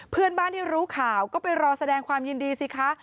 เพื่อนบ้านที่รู้ข่าวก็ไปรอแสดงความยินดีสิคะ